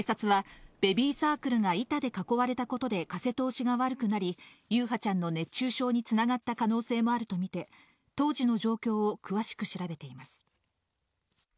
警察はベビーサークルが板で囲われたことで風通しが悪くなり、優陽ちゃんの熱中症に繋がった可能性もあるとみて当時の状況を詳しく調べています。